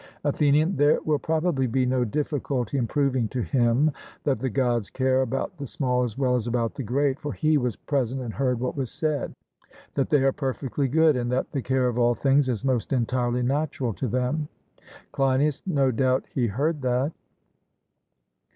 ATHENIAN: There will probably be no difficulty in proving to him that the Gods care about the small as well as about the great. For he was present and heard what was said, that they are perfectly good, and that the care of all things is most entirely natural to them. CLEINIAS: No doubt he heard that.